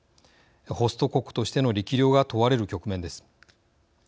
ホスト国としての力量が問われる局面です。